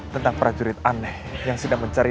tentang prajurit aneh yang sedang mencari